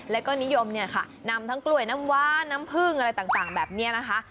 แล้วก็นิยมเนี่ยค่ะนำทั้งกล้วยน้ำว้าน้ำผึ้งอะไรต่างแบบนี้นะคะ